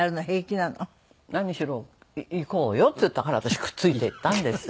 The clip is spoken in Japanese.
なんにしろ行こうよって言ったから私くっついていったんですよ。